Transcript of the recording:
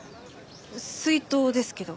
水筒ですけど。